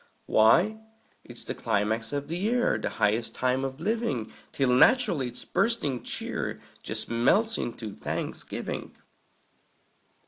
Why, it's the climax of the year, The highest time of living! Till naturally its bursting cheer Just melts into Thanksgiving.